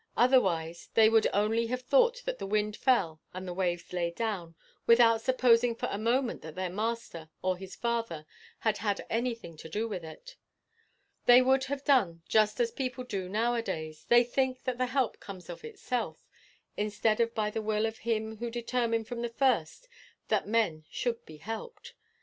Otherwise they would only have thought that the wind fell and the waves lay down, without supposing for a moment that their Master or his Father had had anything to do with it. They would have done just as people do now a days: they think that the help comes of itself, instead of by the will of him who determined from the first that men should be helped.